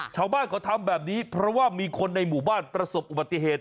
ชาวบ้านเขาทำแบบนี้เพราะว่ามีคนในหมู่บ้านประสบอุบัติเหตุ